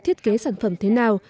thiết kế sản phẩm thế nào